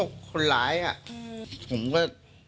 คนหูลายอ่ะ